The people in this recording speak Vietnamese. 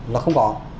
nó không có